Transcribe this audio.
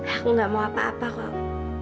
aku nggak mau apa apa kau